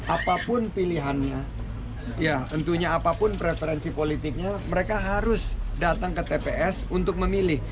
apapun pilihannya ya tentunya apapun preferensi politiknya mereka harus datang ke tps untuk memilih